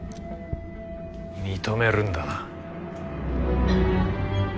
認めるんだな？